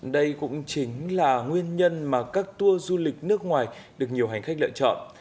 đây cũng chính là nguyên nhân mà các tour du lịch nước ngoài được nhiều hành khách lựa chọn